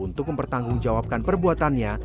untuk mempertanggungjawabkan perbuatannya